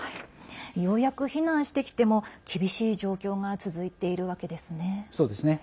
ようやく避難してきても厳しい状況が続いているわけですね。